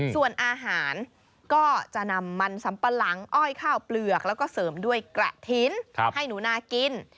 ส่วนอาหารก็จะนำมันสัมปะหลังอ้อยข้าวเปลือกแล้วก็เสริมด้วยกระถิ่นให้หนูนากิน